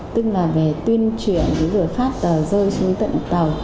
tức là về tuyên truyền cái lửa phát rơi xuống tận tàu